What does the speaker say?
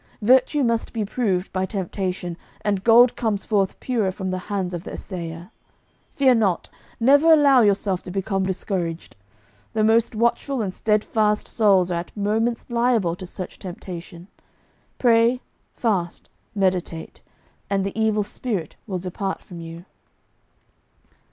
Virtue must be proved by temptation, and gold comes forth purer from the hands of the assayer. Fear not. Never allow yourself to become discouraged. The most watchful and steadfast souls are at moments liable to such temptation. Pray, fast, meditate, and the Evil Spirit will depart from you.